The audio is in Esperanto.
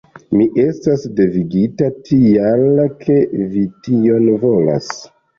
Mi estas devigita, tial ke vi tion volas.